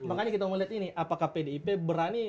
makanya kita melihat ini apakah pdip berani